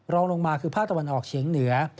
รองลงมาคือภาคตะวันออกเฉียงเหนือ